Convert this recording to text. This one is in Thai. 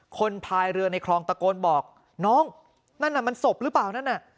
พายเรือในคลองตะโกนบอกน้องนั่นน่ะมันศพหรือเปล่านั่นน่ะ